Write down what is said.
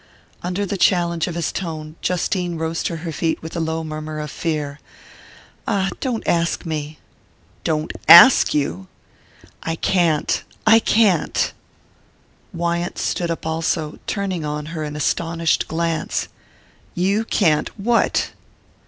Under the challenge of his tone Justine rose to her feet with a low murmur of fear. "Ah, don't ask me!" "Don't ask you ?" "I can't I can't." Wyant stood up also, turning on her an astonished glance. "You can't what